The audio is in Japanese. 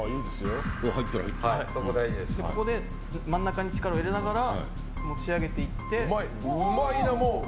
ここで真ん中に力を入れながら持ち上げて行って。